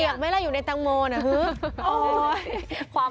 เปียกไหมล่ะอยู่ในแตงโมนะ